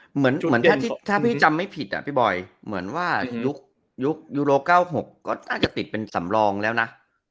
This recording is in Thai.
เหมือนถ้าพี่จำไม่ผิดอ่ะพี่บอยเหมือนว่ายุคยูโร๙๖ก็น่าจะติดเป็นสำรองแล้วนะ